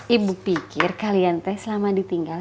ibu pikir kalian teh selama ditinggal